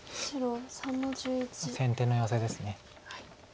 先手のヨセです。